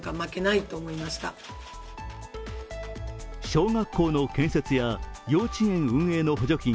小学校の建設や幼稚園運営の補助金